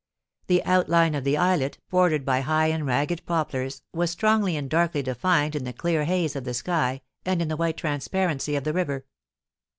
The outline of the islet, bordered by high and ragged poplars, was strongly and darkly defined in the clear haze of the sky and in the white transparency of the river.